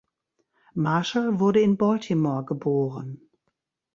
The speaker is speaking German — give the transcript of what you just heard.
Marshall wurde in Baltimore geboren.